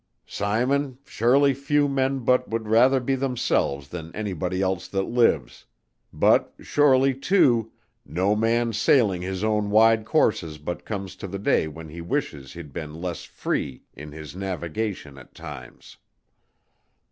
"Simon, surely few men but would rather be themselves than anybody else that lives; but surely, too, no man sailing his own wide courses but comes to the day when he wishes he'd been less free in his navigation at times.